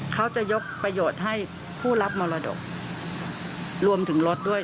เขาจะยกประโยชน์ให้ผู้รับมรดกรวมถึงรถด้วย